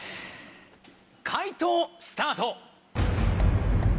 解答スタート！